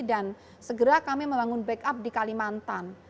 dan segera kami membangun backup di kalimantan